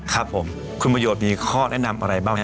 ครับผมคุณประโยชน์มีข้อแนะนำอะไรบ้างครับ